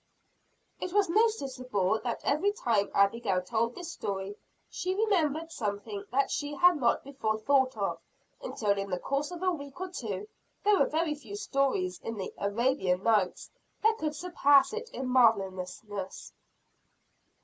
It was noticeable that every time Abigail told this story, she remembered something that she had not before thought of; until in the course of a week or two, there were very few stories in the "Arabian Nights" that could surpass it in marvelousness.